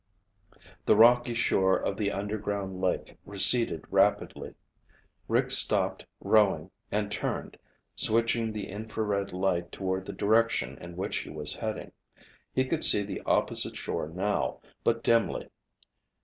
The rocky shore of the underground lake receded rapidly. Rick stopped rowing and turned, switching the infrared light toward the direction in which he was heading. He could see the opposite shore now, but dimly.